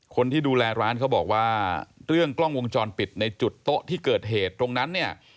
คนที่ดูแลร้านเขาบอกว่าเรื่องกล้องวงจรปิดในจุดโต๊ะที่เกิดเหตุตรงนั้นเนี่ย